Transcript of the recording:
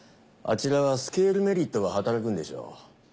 あちらはスケールメリットが働くんでしょう。